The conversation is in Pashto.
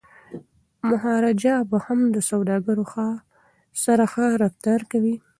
مهاراجا به هم له سوداګرو سره ښه رفتار کوي.